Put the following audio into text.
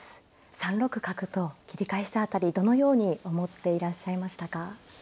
３六角と切り返した辺りどのように思っていらっしゃいましたか。